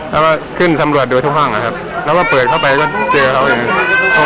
แล้วก็ขึ้นสำรวจดูทุกห้องนะครับแล้วก็เปิดเข้าไปก็เจอเขาเอง